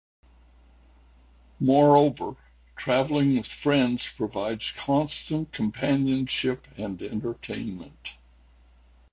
Moreover, travelling with friends provides constant companionship and entertainment.